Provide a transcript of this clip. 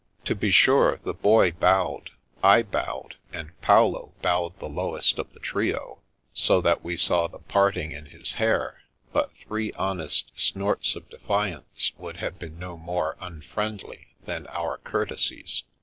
To be sure, the Boy bowed, I bowed, and Paolo bowed the lowest of the* trio, so that we saw the parting in his hair ; but three honest snorts of defiance would have been no more un friendly than our courtesies.